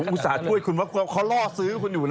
นี่ผมอุตส่าห์ช่วยคุณมันคือเขาล่อซื้อคนอยู่ล่ะ